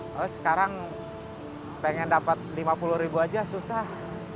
kalau sekarang pengen dapat lima puluh ribu aja susah